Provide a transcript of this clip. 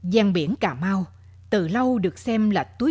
gian biển cà mau từ lâu được xem là túi chứa dòng nước